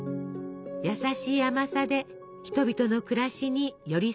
優しい甘さで人々の暮らしに寄り添い続けます。